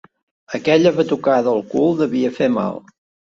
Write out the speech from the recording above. Aquella batucada al cul devia fer mal.